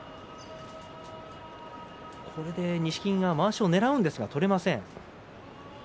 これで錦木がまわしをねらうんですが取れません。